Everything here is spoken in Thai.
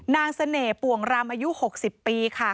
เสน่ห์ป่วงรำอายุ๖๐ปีค่ะ